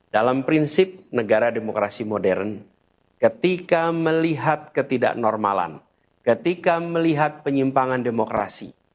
dalam prinsip negara demokrasi modern ketika melihat ketidaknormalan ketika melihat penyimpangan demokrasi